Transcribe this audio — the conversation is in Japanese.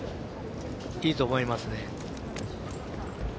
いいと思いますね。